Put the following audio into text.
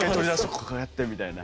こうやってみたいな。